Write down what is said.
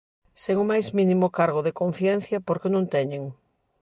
Sen o máis mínimo cargo de conciencia, porque non teñen.